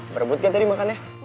berebut kan tadi makannya